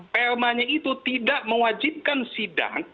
permanya itu tidak mewajibkan sidang